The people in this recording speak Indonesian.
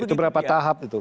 itu berapa tahap itu